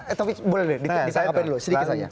eh tapi boleh deh ditangkapin dulu